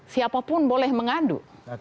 siapapun boleh mengadu